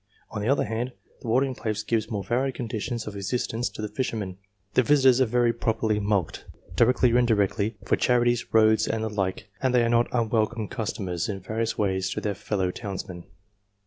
On the other hand, the watering place gives more varied conditions of existence to the fishermen ; the visitors are very properly mulcted, directly or indirectly, for charities, roads, and the like, and they are not unwel come customers in various ways to their fellow townsmen.